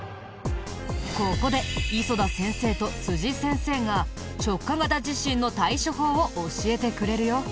ここで磯田先生と都司先生が直下型地震の対処法を教えてくれるよ。